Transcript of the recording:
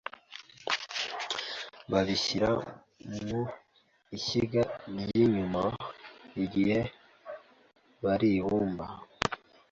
Babishyira mu ishyiga ry’inyuma igihe baribumba